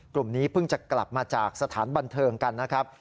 กลุ่มนี้เพิ่งจะกลับมาจากสถานบันเทิงกันนะครับ